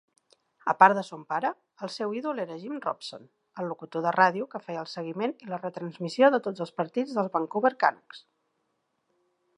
A part de son pare, el seu ídol era Jim Robson, el locutor de ràdio que feia el seguiment i la retransmissió de tots els partits dels Vancouver Canucks.